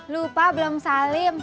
lupa belum salim